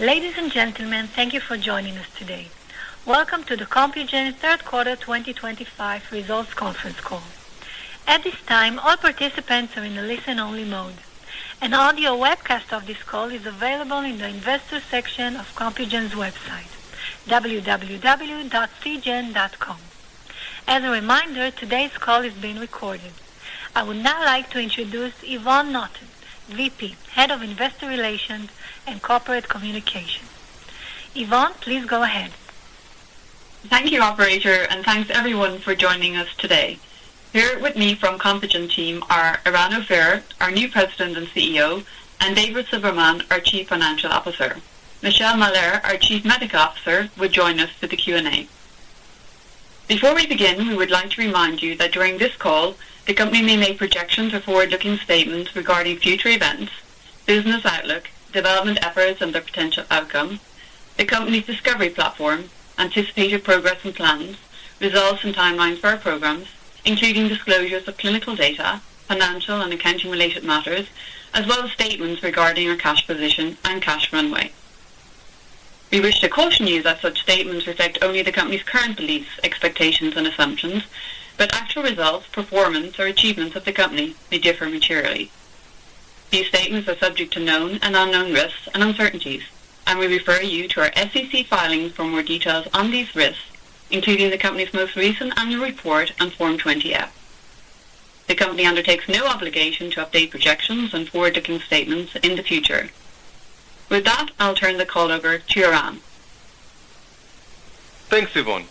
Ladies and gentlemen, thank you for joining us today. Welcome to the Compugen third quarter 2025 results conference call. At this time, all participants are in the listen-only mode. An audio webcast of this call is available in the investor section of Compugen's website, www.cgen.com. As a reminder, today's call is being recorded. I would now like to introduce Yvonne Naughton, VP, Head of Investor Relations and Corporate Communications. Yvonne, please go ahead. Thank you, Operator, and thanks everyone for joining us today. Here with me from the Compugen team are Eran Ophir, our new President and CEO, and David Silberman, our Chief Financial Officer. Michelle Mahler, our Chief Medical Officer, will join us for the Q&A. Before we begin, we would like to remind you that during this call, the company may make projections or forward-looking statements regarding future events, business outlook, development efforts, and their potential outcome. The company's discovery platform, anticipated progress and plans, results, and timelines for our programs, including disclosures of clinical data, financial and accounting-related matters, as well as statements regarding our cash position and cash runway. We wish to caution you that such statements reflect only the company's current beliefs, expectations, and assumptions, but actual results, performance, or achievements of the company may differ materially. These statements are subject to known and unknown risks and uncertainties, and we refer you to our SEC filings for more details on these risks, including the company's most recent annual report and Form 20-F. The company undertakes no obligation to update projections and forward-looking statements in the future. With that, I'll turn the call over to Eran. Thanks, Yvonne.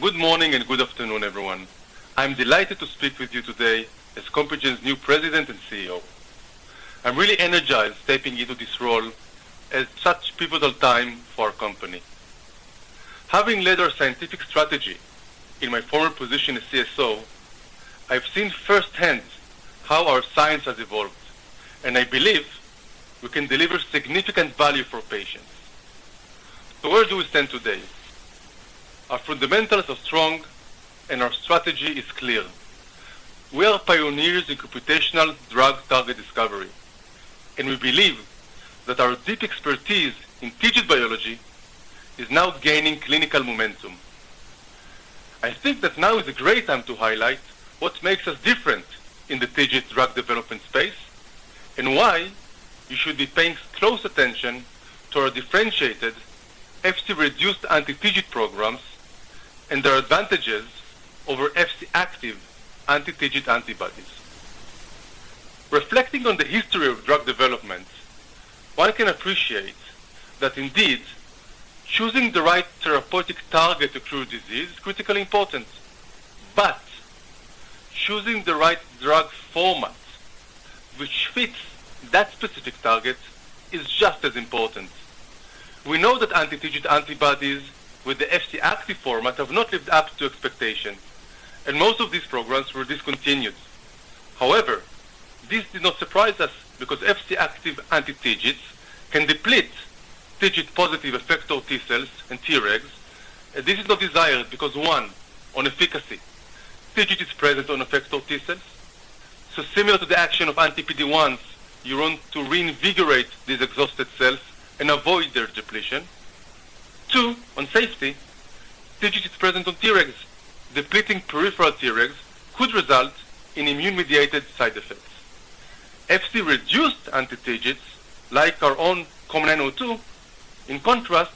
Good morning and good afternoon, everyone. I'm delighted to speak with you today as Compugen's new President and CEO. I'm really energized stepping into this role at such a pivotal time for our company. Having led our scientific strategy in my former position as CSO, I've seen firsthand how our science has evolved, and I believe we can deliver significant value for patients. Where do we stand today? Our fundamentals are strong, and our strategy is clear. We are pioneers in computational drug target discovery, and we believe that our deep expertise in digital biology is now gaining clinical momentum. I think that now is a great time to highlight what makes us different in the digital drug development space and why you should be paying close attention to our differentiated FC-reduced anti-TIGIT programs and their advantages over FC-active anti-TIGIT antibodies. Reflecting on the history of drug development, one can appreciate that indeed choosing the right therapeutic target to cure disease is critically important, but choosing the right drug format which fits that specific target is just as important. We know that anti-TIGIT antibodies with the FC-active format have not lived up to expectations, and most of these programs were discontinued. However, this did not surprise us because FC-active anti-TIGITs can deplete TIGIT-positive effector T cells and T regs, and this is not desired because, one, on efficacy, TIGIT is present on effector T cells, so similar to the action of anti-PD-1s, you want to reinvigorate these exhausted cells and avoid their depletion. Two, on safety, TIGIT is present on T regs. Depleting peripheral T regs could result in immune-mediated side effects. FC-reduced anti-digits, like our own COM902, in contrast,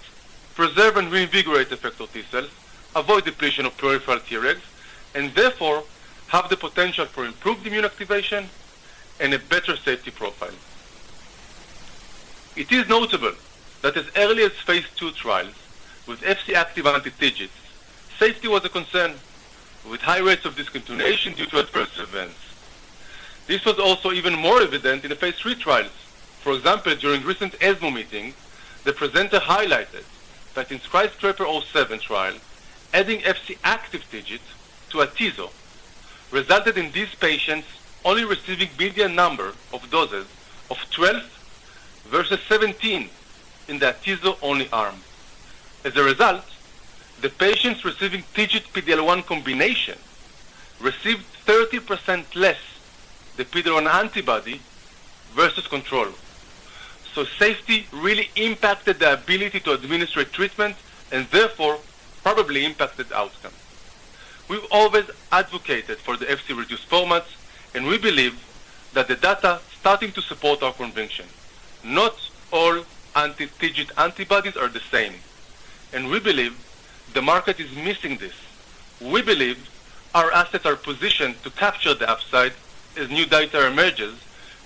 preserve and reinvigorate effector T cells, avoid depletion of peripheral T regs, and therefore have the potential for improved immune activation and a better safety profile. It is notable that as early as phase II trials with FC-active anti-digits, safety was a concern with high rates of discontinuation due to adverse events. This was also even more evident in the phase III trials. For example, during recent ESMO meetings, the presenter highlighted that in SKYSCRAPER-07 trial, adding FC-active digit to atezolizumab resulted in these patients only receiving a median number of doses of 12 versus 17 in the atezolizumab-only arm. As a result, the patients receiving digit-PD-L1 combination received 30% less the PD-L1 antibody versus control. Safety really impacted the ability to administer treatment and therefore probably impacted outcome. We've always advocated for the FC-reduced formats, and we believe that the data is starting to support our conviction. Not all anti-TIGIT antibodies are the same, and we believe the market is missing this. We believe our assets are positioned to capture the upside as new data emerges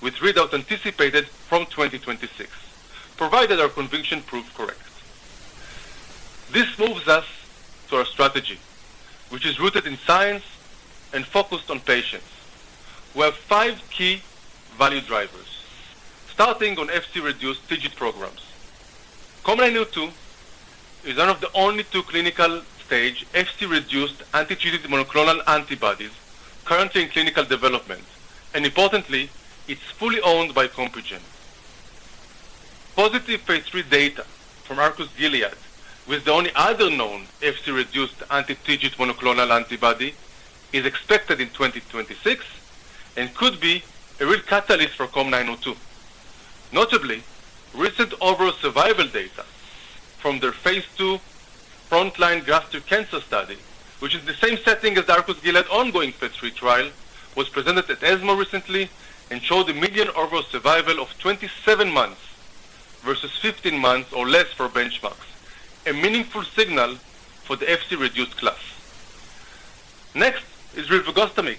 with readout anticipated from 2026, provided our conviction proves correct. This moves us to our strategy, which is rooted in science and focused on patients. We have five key value drivers, starting on FC-reduced TIGIT programs. COM902 is one of the only two clinical-stage FC-reduced anti-TIGIT monoclonal antibodies currently in clinical development, and importantly, it's fully owned by Compugen. Positive phase III data from domvanalimab, which is the only other known FC-reduced anti-TIGIT monoclonal antibody, is expected in 2026 and could be a real catalyst for COM902. Notably, recent overall survival data from their phase II frontline grafted cancer study, which is the same setting as the Domvanalimab ongoing phase III trial, was presented at ESMO recently and showed a median overall survival of 27 months versus 15 months or less for benchmarks, a meaningful signal for the FC-reduced class. Next is Rilvegostomig,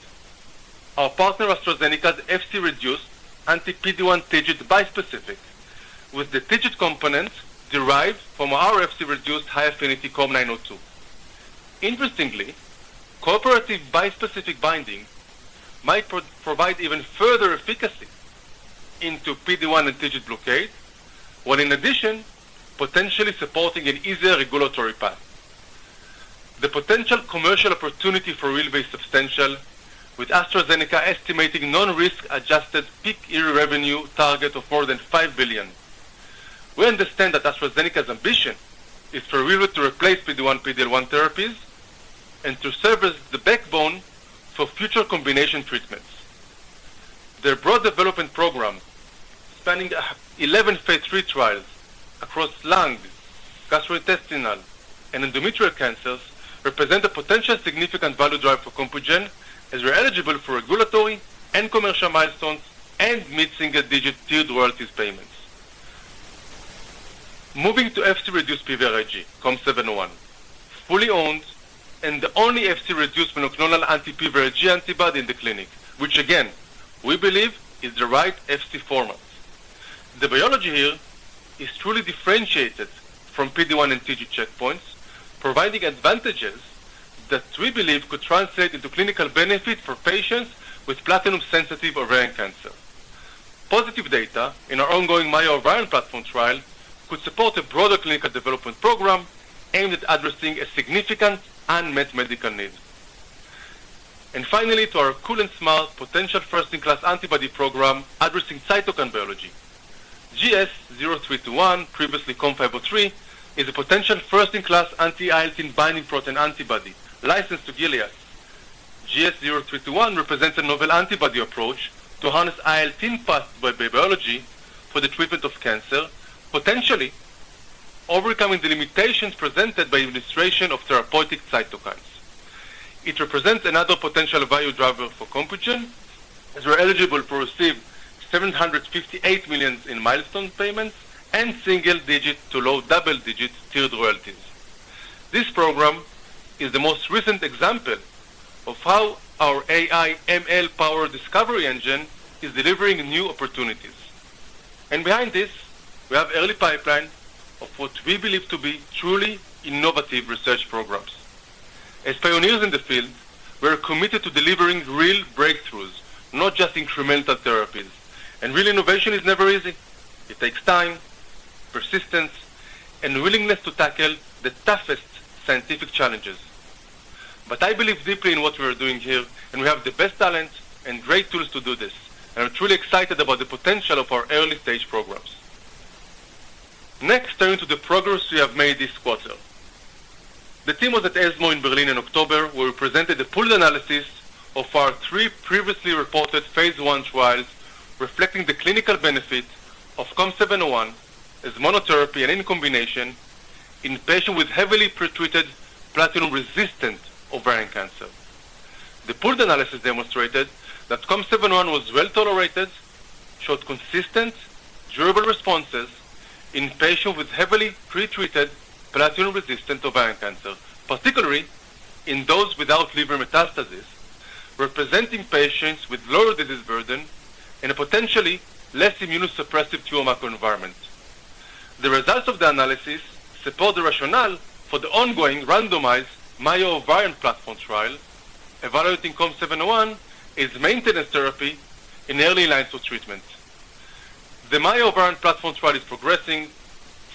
our partner AstraZeneca's FC-reduced anti-PD-1 TIGIT bispecific with the TIGIT component derived from our FC-reduced high affinity COM902. Interestingly, cooperative bispecific binding might provide even further efficacy into PD-1 and TIGIT blockade, while in addition, potentially supporting an easier regulatory path. The potential commercial opportunity for Rilve is substantial, with AstraZeneca estimating non-risk-adjusted peak year revenue target of more than $5 billion. We understand that AstraZeneca's ambition is for Rilve to replace PD-1 and PD-L1 therapies and to serve as the backbone for future combination treatments. Their broad development program, spanning 11 phase III trials across lung, gastrointestinal, and endometrial cancers, represents a potential significant value drive for Compugen as we're eligible for regulatory and commercial milestones and meet single-digit tiered royalties payments. Moving to FC-reduced PVRIG, COM701, fully owned and the only FC-reduced monoclonal anti-PVRIG antibody in the clinic, which again, we believe is the right FC format. The biology here is truly differentiated from PD-1 and TIGIT checkpoints, providing advantages that we believe could translate into clinical benefit for patients with platinum-sensitive ovarian cancer. Positive data in our ongoing Maya ovarian platform trial could support a broader clinical development program aimed at addressing a significant unmet medical need. Finally, to our GS0321 potential first-in-class antibody program addressing cytokine biology. GS0321, previously COM503, is a potential first-in-class anti-IL-18 binding protein antibody licensed to Gilead. GS0321 represents a novel antibody approach to harness IL-18 pathway biology for the treatment of cancer, potentially overcoming the limitations presented by administration of therapeutic cytokines. It represents another potential value driver for Compugen, as we're eligible to receive $758 million in milestone payments and single-digit to low double-digit tiered royalties. This program is the most recent example of how our AI/ML-powered discovery engine is delivering new opportunities. Behind this, we have early pipeline of what we believe to be truly innovative research programs. As pioneers in the field, we're committed to delivering real breakthroughs, not just incremental therapies. Real innovation is never easy. It takes time, persistence, and willingness to tackle the toughest scientific challenges. I believe deeply in what we are doing here, and we have the best talent and great tools to do this. I'm truly excited about the potential of our early-stage programs. Next, turning to the progress we have made this quarter, the team was at ESMO in Berlin in October, where we presented a pooled analysis of our three previously reported phase I trials reflecting the clinical benefit of COM701 as monotherapy and in combination in patients with heavily pretreated platinum-resistant ovarian cancer. The pooled analysis demonstrated that COM701 was well tolerated, showed consistent durable responses in patients with heavily pretreated platinum-resistant ovarian cancer, particularly in those without liver metastasis, representing patients with lower disease burden and a potentially less immunosuppressive tumor microenvironment. The results of the analysis support the rationale for the ongoing randomized Maya ovarian platform trial evaluating COM701 as maintenance therapy in early lines of treatment. The Maya ovarian platform trial is progressing.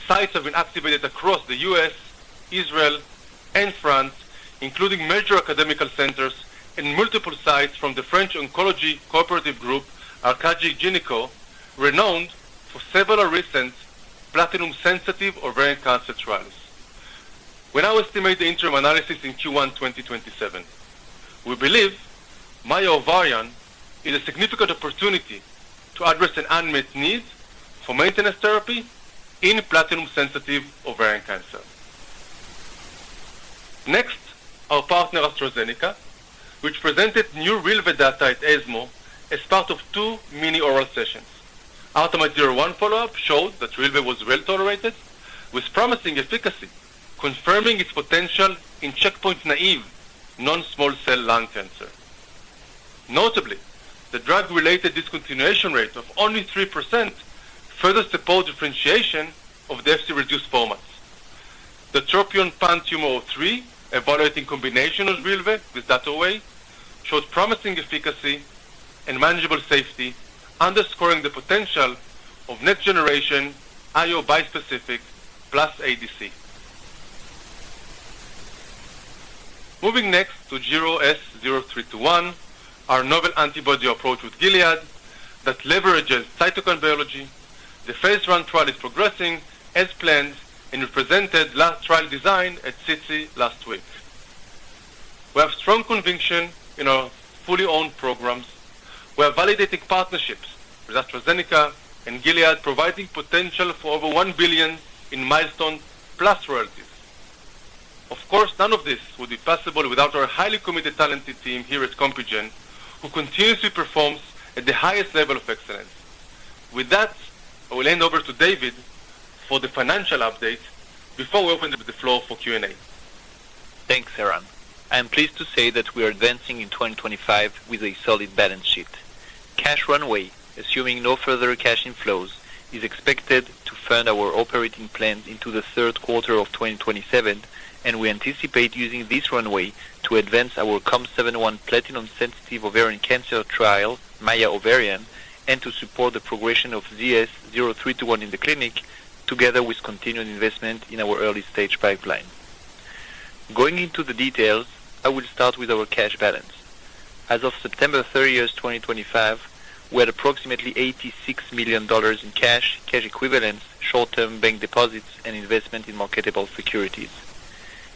Sites have been activated across the US, Israel, and France, including major academic centers and multiple sites from the French oncology cooperative group Arcadia Gyneko, renowned for several recent platinum-sensitive ovarian cancer trials. We now estimate the interim analysis in Q1 2027. We believe Maya ovarian is a significant opportunity to address an unmet need for maintenance therapy in platinum-sensitive ovarian cancer. Next, our partner AstraZeneca, which presented new Rilve data at ESMO as part of two mini oral sessions. Our TOMAD-01 follow-up showed that Rilve was well tolerated, with promising efficacy confirming its potential in checkpoints naive non-small cell lung cancer. Notably, the drug-related discontinuation rate of only 3% further supports differentiation of the FC-reduced formats. The TROPION-PanTumor03, evaluating combination of Rilve with DataWay, showed promising efficacy and manageable safety, underscoring the potential of next-generation IO bispecific plus ADC. Moving next to GS0321, our novel antibody approach with Gilead that leverages cytokine biology. The phase I trial is progressing as planned and represented last trial design at CT last week. We have strong conviction in our fully owned programs. We are validating partnerships with AstraZeneca and Gilead, providing potential for over $1 billion in milestone plus royalties. Of course, none of this would be possible without our highly committed, talented team here at Compugen, who continuously performs at the highest level of excellence. With that, I will hand over to David for the financial update before we open the floor for Q&A. Thanks, Eran. I am pleased to say that we are advancing in 2025 with a solid balance sheet. Cash runway, assuming no further cash inflows, is expected to fund our operating plans into the third quarter of 2027, and we anticipate using this runway to advance our COM701 platinum-sensitive ovarian cancer trial, Maya ovarian, and to support the progression of GS0321 in the clinic, together with continued investment in our early-stage pipeline. Going into the details, I will start with our cash balance. As of September 30, 2025, we had approximately $86 million in cash, cash equivalents, short-term bank deposits, and investment in marketable securities.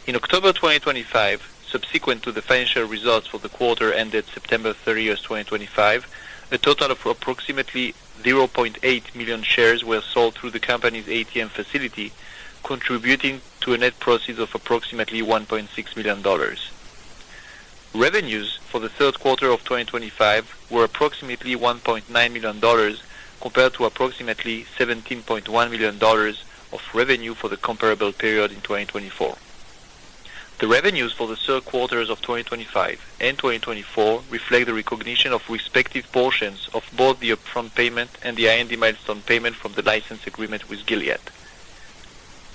In October 2025, subsequent to the financial results for the quarter ended September 30, 2025, a total of approximately 0.8 million shares were sold through the company's ATM facility, contributing to a net profit of approximately $1.6 million. Revenues for the third quarter of 2025 were approximately $1.9 million, compared to approximately $17.1 million of revenue for the comparable period in 2024. The revenues for the third quarters of 2025 and 2024 reflect the recognition of respective portions of both the upfront payment and the R&D milestone payment from the license agreement with Gilead.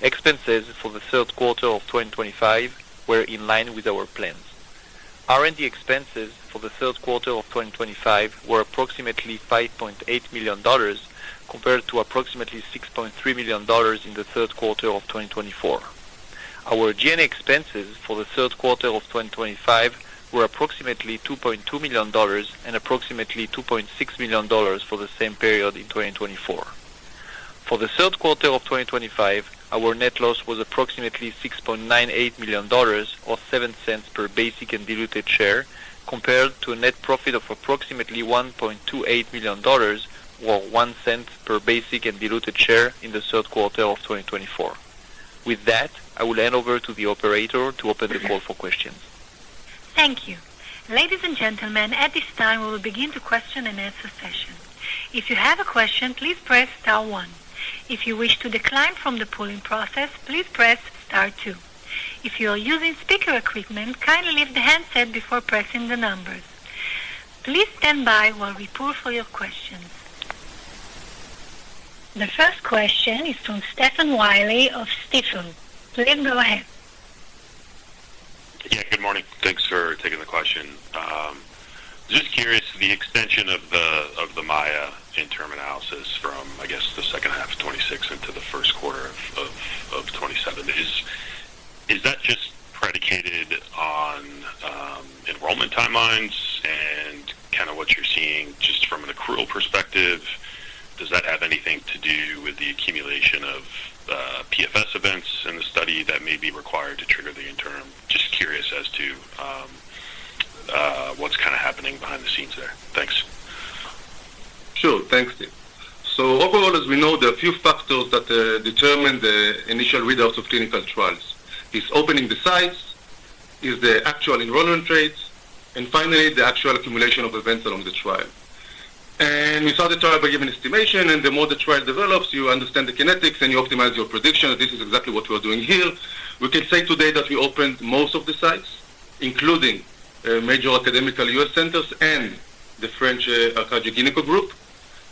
Expenses for the third quarter of 2025 were in line with our plans. R&D expenses for the third quarter of 2025 were approximately $5.8 million, compared to approximately $6.3 million in the third quarter of 2024. Our G&A expenses for the third quarter of 2025 were approximately $2.2 million and approximately $2.6 million for the same period in 2024. For the third quarter of 2025, our net loss was approximately $6.98 million, or $0.07 per basic and diluted share, compared to a net profit of approximately $1.28 million, or $0.01 per basic and diluted share in the third quarter of 2024. With that, I will hand over to the operator to open the call for questions. Thank you. Ladies and gentlemen, at this time, we will begin the question-and-answer session. If you have a question, please press star one. If you wish to decline from the pooling process, please press star two. If you are using speaker equipment, kindly lift the handset before pressing the numbers. Please stand by while we pool for your questions. The first question is from Stephen Willey of Stifel. Please go ahead. Yeah, good morning. Thanks for taking the question. Just curious, the extension of the Maya interim analysis from, I guess, the second half of 2026 into the first quarter of 2027, is that just predicated on enrollment timelines and kind of what you're seeing just from an accrual perspective? Does that have anything to do with the accumulation of PFS events in the study that may be required to trigger the interim? Just curious as to what's kind of happening behind the scenes there. Thanks. Sure. Thanks, Steve. Overall, as we know, there are a few factors that determine the initial readouts of clinical trials. It is opening the sites, it is the actual enrollment rates, and finally, the actual accumulation of events along the trial. We started trial-by-given estimation, and the more the trial develops, you understand the kinetics and you optimize your prediction. This is exactly what we are doing here. We can say today that we opened most of the sites, including major academical US centers and the French Arcadia Gyneco group.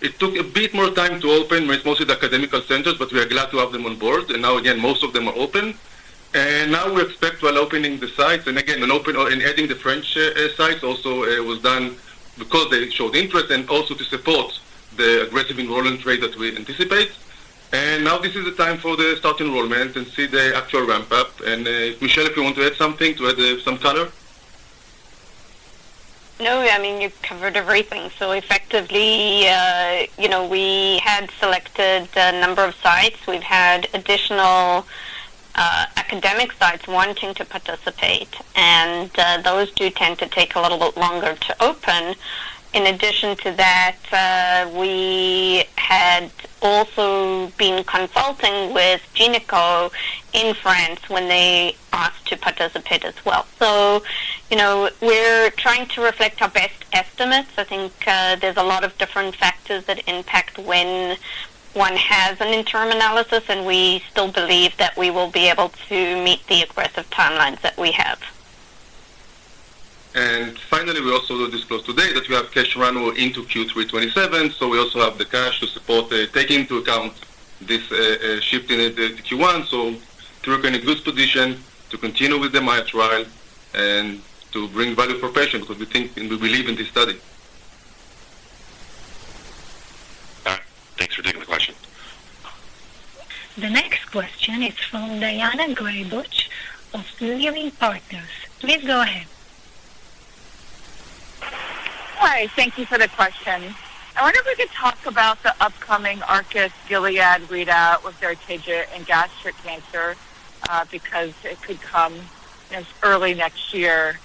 It took a bit more time to open, mostly the academical centers, but we are glad to have them on board. Now, again, most of them are open. We expect while opening the sites, and again, adding the French sites also was done because they showed interest and also to support the aggressive enrollment rate that we anticipate. This is the time for the start enrollment and see the actual ramp-up. Michelle, if you want to add something to add some color? No, I mean, you covered everything. Effectively, we had selected a number of sites. We've had additional academic sites wanting to participate, and those do tend to take a little bit longer to open. In addition to that, we had also been consulting with Gyneco in France when they asked to participate as well. We're trying to reflect our best estimates. I think there's a lot of different factors that impact when one has an interim analysis, and we still believe that we will be able to meet the aggressive timelines that we have. Finally, we also disclosed today that we have cash run into Q3 2027. We also have the cash to support taking into account this shift in Q1. To remain in good position to continue with the Maya trial and to bring value for patients because we believe in this study. All right. Thanks for taking the question. The next question is from Daina Graybosch of Leerink Partners. Please go ahead. Hi. Thank you for the question. I wonder if we could talk about the upcoming Arcus-Gilead readout with their TIGIT in gastric cancer because it could come as early next year.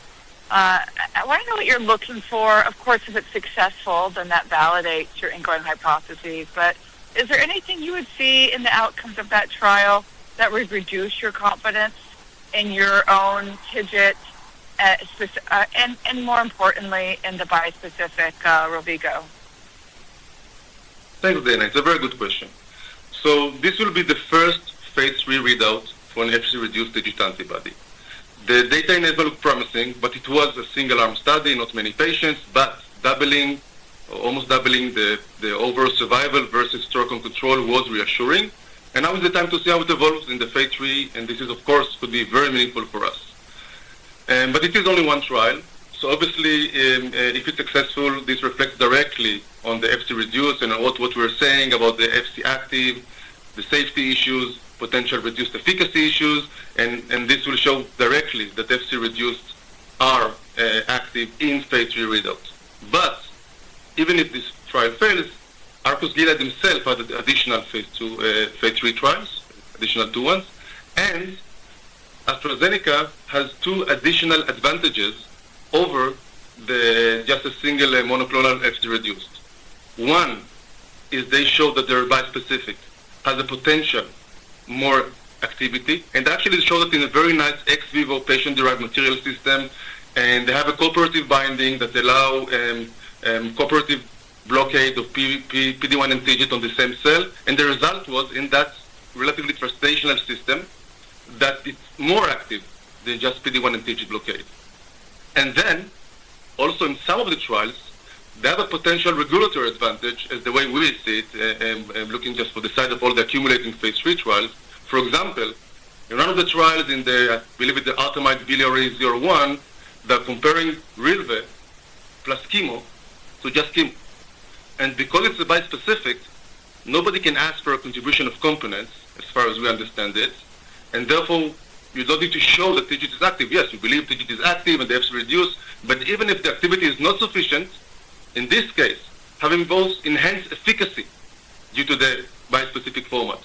I want to know what you're looking for. Of course, if it's successful, then that validates your ingoing hypotheses. But is there anything you would see in the outcomes of that trial that would reduce your confidence in your own TIGIT and, more importantly, in the bispecific rilvegostomig? Thanks, Diana. It's a very good question. This will be the first phase III readout for an FC-reduced TIGIT antibody. The data in it looked promising, but it was a single-arm study, not many patients, but doubling, almost doubling the overall survival versus historical control was reassuring. Now is the time to see how it evolves in the phase III, and this is, of course, could be very meaningful for us. It is only one trial. Obviously, if it's successful, this reflects directly on the FC-reduced and what we're saying about the FC-active, the safety issues, potential reduced efficacy issues, and this will show directly that FC-reduced are active in phase III readouts. Even if this trial fails, Arcus Biosciences-Gilead themselves had additional phase II, phase III trials, additional two ones. AstraZeneca has two additional advantages over just a single monoclonal FC-reduced. One is they show that their bispecific has the potential for more activity, and actually showed it in a very nice ex vivo patient-derived material system, and they have a cooperative binding that allows cooperative blockade of PD-1 and PD-1 on the same cell. The result was in that relatively frustrational system that it's more active than just PD-1 and PD-1 blockade. Also, in some of the trials, they have a potential regulatory advantage as the way we see it, looking just for the side of all the accumulating phase III trials. For example, in one of the trials in the, I believe, the Artimide-Biliary-01, they're comparing Rilve plus chemo to just chemo. Because it's a bispecific, nobody can ask for a contribution of components as far as we understand it. Therefore, you don't need to show that TIGIT is active. Yes, you believe TIGIT is active and the FC-reduced, but even if the activity is not sufficient, in this case, having both enhanced efficacy due to the bispecific formats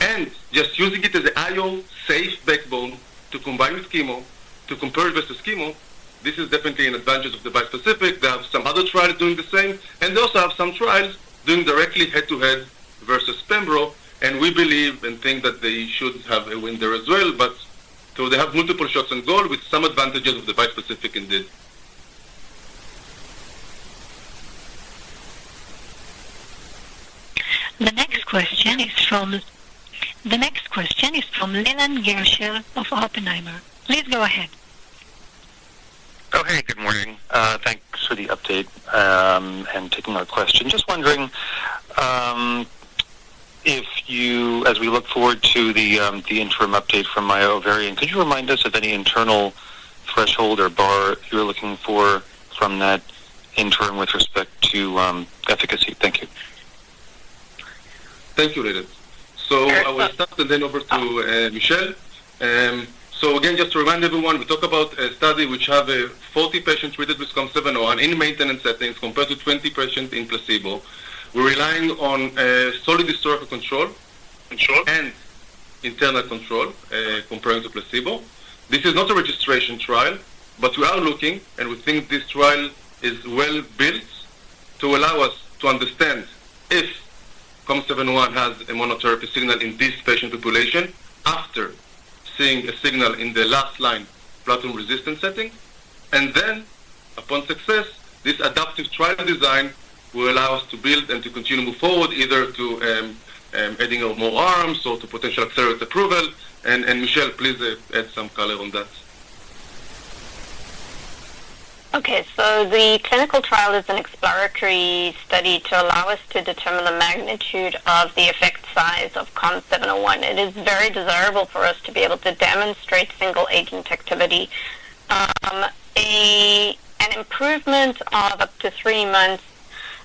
and just using it as an IO safe backbone to combine with chemo to compare versus chemo, this is definitely an advantage of the bispecific. They have some other trials doing the same, and they also have some trials doing directly head-to-head versus Pembro, and we believe and think that they should have a win there as well. They have multiple shots on goal with some advantages of the bispecific indeed. The next question is from. The next question is from Leland Gershell of Oppenheimer. Please go ahead. Oh, hey, good morning. Thanks for the update and taking our question. Just wondering if you, as we look forward to the interim update from Maya ovarian, could you remind us of any internal threshold or bar you're looking for from that interim with respect to efficacy? Thank you. Thank you, Leland. I will start to hand over to Michelle. Again, just to remind everyone, we talk about a study which has 40 patients treated with COM701 in maintenance settings compared to 20 patients in placebo. We're relying on solid historical control and internal control comparing to placebo. This is not a registration trial, but we are looking and we think this trial is well built to allow us to understand if COM701 has a monotherapy signal in this patient population after seeing a signal in the last line platinum-resistant setting. Upon success, this adaptive trial design will allow us to build and to continue to move forward, either to adding more arms or to potential accelerate approval. Michelle, please add some color on that. Okay. The clinical trial is an exploratory study to allow us to determine the magnitude of the effect size of COM701. It is very desirable for us to be able to demonstrate single-agent activity. An improvement of up to three months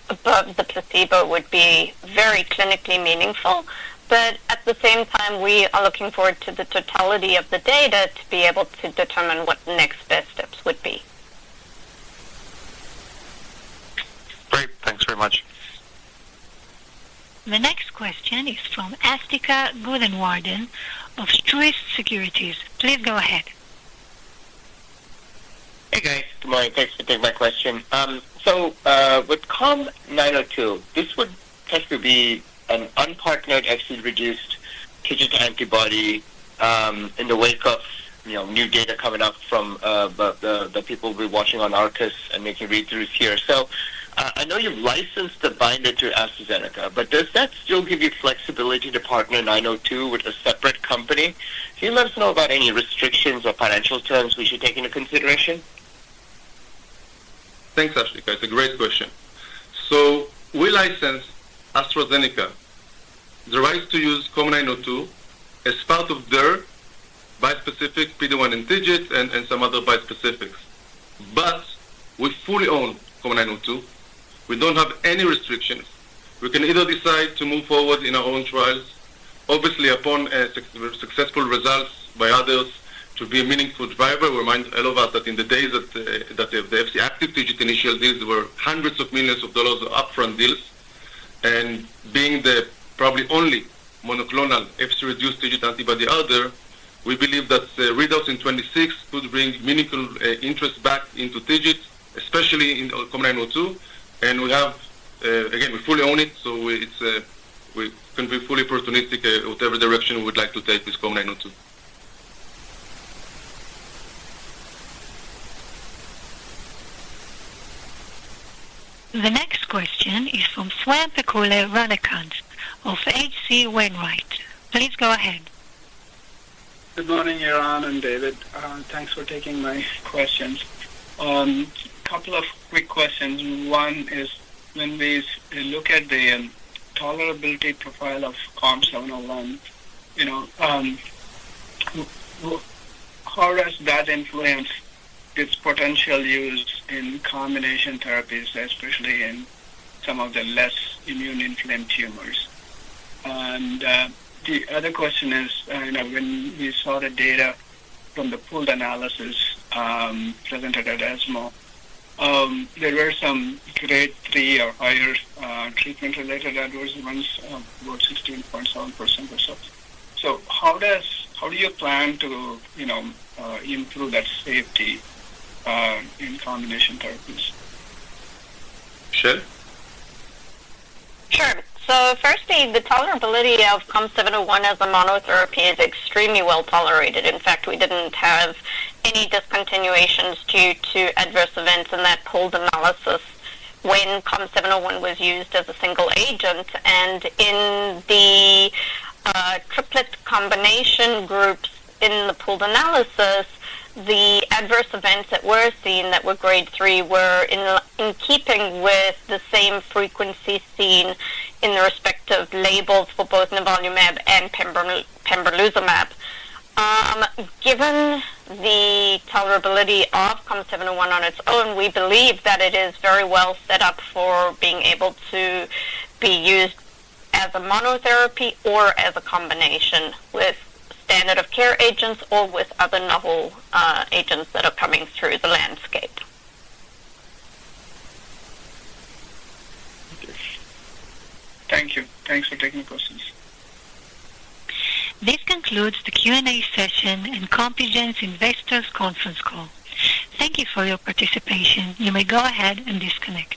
above the placebo would be very clinically meaningful, but at the same time, we are looking forward to the totality of the data to be able to determine what the next best steps would be. Great. Thanks very much. The next question is from Asthika Goonewardene of Truist Securities. Please go ahead. Hey, guys. Good morning. Thanks for taking my question. With COM902, this would technically be an unpartnered FC-reduced TIGIT antibody in the wake of new data coming up from the people we are watching on Arcus and making read-throughs here. I know you have licensed the binder to AstraZeneca, but does that still give you flexibility to partner 902 with a separate company? Can you let us know about any restrictions or financial terms we should take into consideration? Thanks, Asthika. It's a great question. We license AstraZeneca the right to use COM902 as part of their bispecific PD-1 and TIGIT and some other bispecifics. We fully own COM902. We do not have any restrictions. We can either decide to move forward in our own trials. Obviously, upon successful results by others to be a meaningful driver, we remind all of us that in the days that the FC-active TIGIT initial deals were hundreds of millions of dollars of upfront deals. Being the probably only monoclonal FC-reduced TIGIT antibody out there, we believe that readouts in 2026 could bring meaningful interest back into TIGIT, especially in COM902. We have, again, we fully own it, so we can be fully opportunistic whatever direction we would like to take with COM902. The next question is from Swayampakula Ramakanth of H.C. Wainwright. Please go ahead. Good morning, Eran and David. Thanks for taking my questions. A couple of quick questions. One is, when we look at the tolerability profile of COM701, how does that influence its potential use in combination therapies, especially in some of the less immune-inflamed tumors? The other question is, when we saw the data from the pooled analysis presented at ESMO, there were some grade 3 or higher treatment-related adverse events of about 16.7% or so. How do you plan to improve that safety in combination therapies? Michelle? Sure. Firstly, the tolerability of COM701 as a monotherapy is extremely well tolerated. In fact, we did not have any discontinuations due to adverse events in that pooled analysis when COM701 was used as a single agent. In the triplet combination groups in the pooled analysis, the adverse events that were seen that were grade 3 were in keeping with the same frequency seen in the respective labels for both Nivolumab and Pembrolizumab. Given the tolerability of COM701 on its own, we believe that it is very well set up for being able to be used as a monotherapy or as a combination with standard of care agents or with other novel agents that are coming through the landscape. Thank you. Thank you. Thanks for taking the questions. This concludes the Q&A session and Compugen's investors conference call. Thank you for your participation. You may go ahead and disconnect.